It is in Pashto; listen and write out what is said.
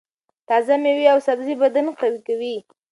تازه مېوې او سبزۍ بدن قوي کوي.